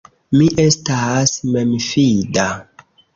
Mi estas memfida.